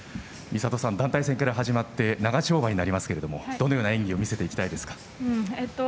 美里さん、団体戦から始まって長丁場になりますけどもどのような演技を見せていきたいですか。